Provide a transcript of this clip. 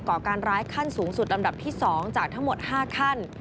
ก่อการร้ายขั้นสูงสุดลำดับที่๒จากทั้งหมด๕ขั้น